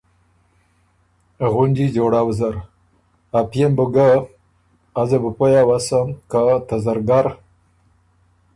غُنجی جوړؤ زر، ا پئے م بُو ګۀ، ازه بُو پویٛ اؤسم، که ته زرګر